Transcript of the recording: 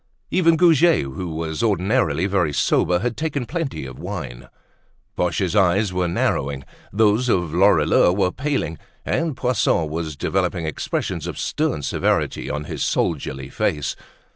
Even Goujet, who was ordinarily very sober, had taken plenty of wine. Boche's eyes were narrowing, those of Lorilleux were paling, and Poisson was developing expressions of stern severity on his soldierly face.